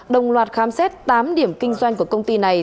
đồng loạt khám xét tám điểm kinh doanh của công ty này